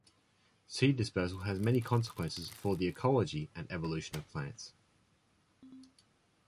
Seed dispersal has many consequences for the ecology and evolution of plants.